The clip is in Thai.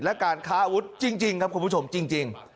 และการค้าอาวุธจริงครับคุณผู้ชมจริง